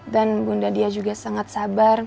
dan bunda diah juga sangat sabar